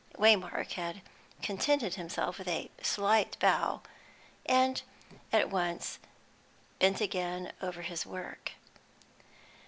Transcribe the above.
Waymark had contented himself with a slight bow, and at once bent again over his work.